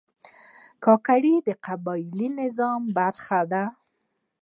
کاکړ د قبایلي نظام برخه ده.